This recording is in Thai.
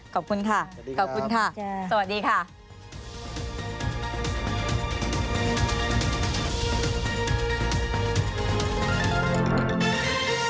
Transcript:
ขอบคุณค่ะขอบคุณค่ะสวัสดีค่ะสวัสดีครับ